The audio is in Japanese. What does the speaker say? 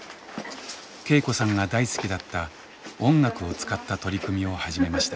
恵子さんが大好きだった音楽を使った取り組みを始めました。